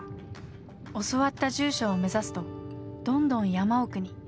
教わった住所を目指すとどんどん山奥に。